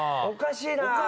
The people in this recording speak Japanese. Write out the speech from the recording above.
おかしいな。